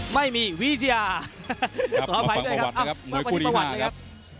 ไม่มีวิทยาสอบภัยด้วยครับอ้าวมวยปฏิบัตินะครับ